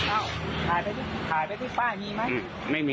อ้าวถ่ายไปที่ป้ายมีไหม